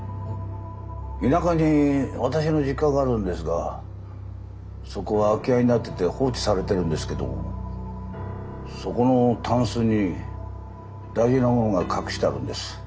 田舎に私の実家があるんですがそこは空き家になってて放置されてるんですけどそこのタンスに大事なものが隠してあるんです。